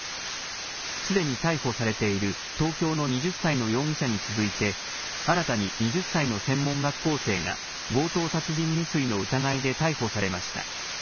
すでに逮捕されている東京の２０歳の容疑者に続いて、新たに２０歳の専門学校生が、強盗殺人未遂の疑いで逮捕されました。